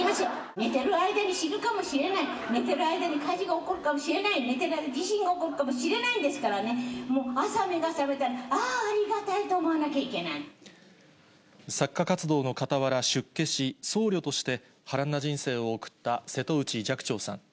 寝てる間に死ぬかもしれない、寝てる間に火事が起こるかもしれない、寝てる間に地震が起こるかもしれないんですからね、朝、目が覚めたら、あー、作家活動のかたわら出家し、僧侶として波乱な人生を送った瀬戸内寂聴さん。